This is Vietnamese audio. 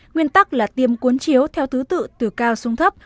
nguyên tắc là tiêm cuốn chiếu theo thứ tự từ cao xuống thấp